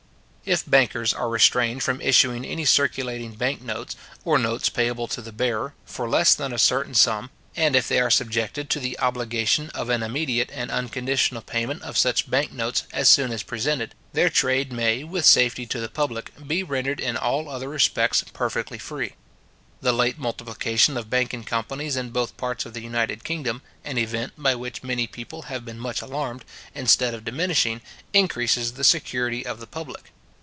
If bankers are restrained from issuing any circulating bank notes, or notes payable to the bearer, for less than a certain sum; and if they are subjected to the obligation of an immediate and unconditional payment of such bank notes as soon as presented, their trade may, with safety to the public, be rendered in all other respects perfectly free. The late multiplication of banking companies in both parts of the united kingdom, an event by which many people have been much alarmed, instead of diminishing, increases the security of the public.